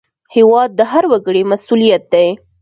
هېواد د هر وګړي مسوولیت دی.